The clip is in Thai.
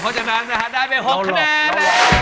เพราะฉะนั้นได้เป็น๖คะแนน